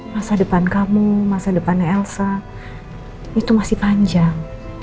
masa depan kamu masa depannya elsa itu masih panjang